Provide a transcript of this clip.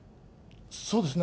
そうですね。